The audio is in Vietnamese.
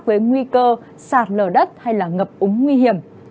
với nguy cơ sạt lở đất hay là ngập úng nguy hiểm